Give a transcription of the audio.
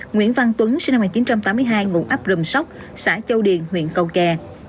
nguyễn văn tuấn sinh năm một nghìn chín trăm tám mươi hai ngụ ấp rừng sóc xã châu điền huyện cầu kè